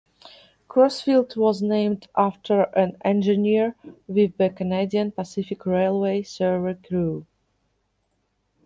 Crossfield was named after an engineer with the Canadian Pacific Railway survey crew.